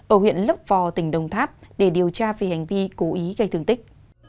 ở huyện lấp vò tỉnh đồng tháp để điều tra về hành vi cố ý gây thương tích